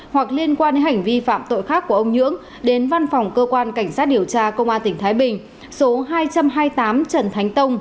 hoặc liên quan đến hành vi phạm tội khác của ông nhưỡng đến văn phòng cơ quan cảnh sát điều tra công an tỉnh thái bình số hai trăm hai mươi tám trần thánh tông